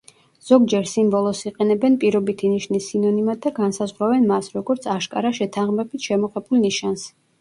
ზოგჯერ სიმბოლოს იყენებენ „პირობითი ნიშნის“ სინონიმად და განსაზღვრავენ მას, როგორც აშკარა შეთანხმებით შემოღებულ ნიშანს.